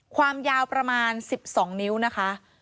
ความยาวประมาณ๑๒นิ้วนะคะ